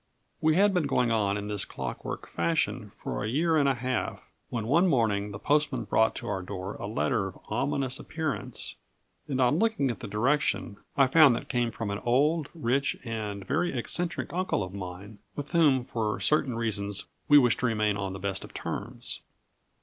We had been going on in this clockwork fashion for a year and a half, when one morning the postman brought to our door a letter of ominous appearance, and on looking at the direction, I found that it came from an old, rich, and very eccentric uncle of mine, with whom, for certain reasons, we wished to remain on the best of terms.